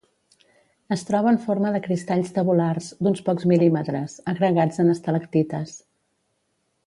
Es troba en forma de cristalls tabulars, d'uns pocs mil·límetres, agregats en estalactites.